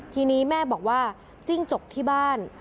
ทีนี้แม่บอกว่าจิ้งจกที่บ้าน